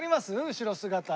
後ろ姿。